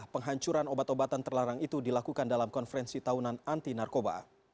penghancuran obat obatan terlarang itu dilakukan dalam konferensi tahunan anti narkoba